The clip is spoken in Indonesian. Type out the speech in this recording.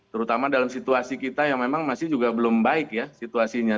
terutama dalam situasi kita yang memang masih juga belum baik ya situasinya